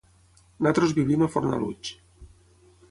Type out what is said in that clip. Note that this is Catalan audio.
Nosaltres vivim a Fornalutx.